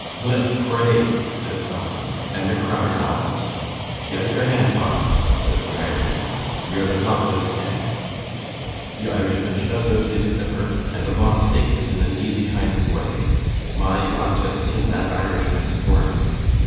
"'Let's pray,' says some one, and the crowd howls. 'Give us yer hand, Boss,' says the Irishman. 'Yer the top o' this gang.' The Irishman shoves out his clipper, and the Boss takes it in an easy kind of a way. My you o't to seen that Irishman squirm.